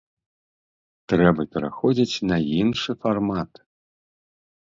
Трэба пераходзіць на іншы фармат.